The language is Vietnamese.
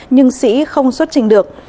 nhưng sĩ không xuất trình được